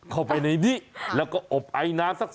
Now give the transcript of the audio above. เข้าไปในนี้แล้วก็อบไอน้ำสัก